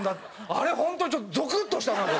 あれホントにちょっとゾクッとした。